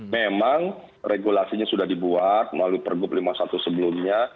memang regulasinya sudah dibuat melalui pergub lima puluh satu sebelumnya